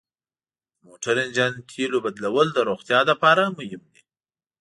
د موټر انجن تیلو بدلول د روغتیا لپاره مهم دي.